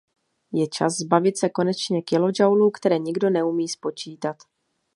Je čas zbavit se konečně kilojoulů, které nikdo neumí spočítat.